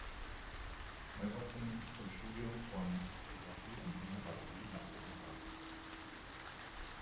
Weywadt ging zum Studium von Fotografie und Mineralogie nach Kopenhagen.